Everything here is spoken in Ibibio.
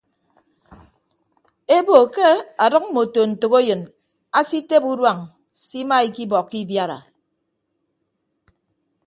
Ebo ke adʌk mmoto ntәkeyịn asitebe uduañ simaikibọkọ ibiara.